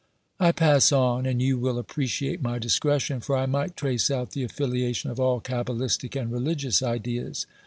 198 OBERMANN I pass on, and you will appreciate my discretion, for I might trace out the affiliation of all cabalistic and religious ideas.